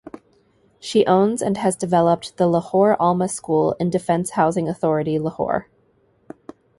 She owns and has developed the Lahore Alma School in Defence Housing Authority, Lahore.